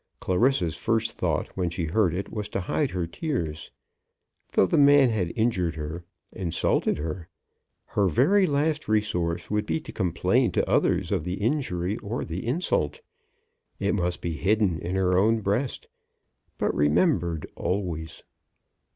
Clarissa's first thought when she heard it was to hide her tears. Though the man had injured her, insulted her, her very last resource would be to complain to others of the injury or the insult. It must be hidden in her own breast, but remembered always.